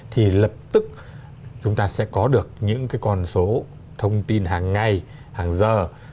thì lập tức chúng ta sẽ có được những cái con số thông tin hàng ngày hàng giờ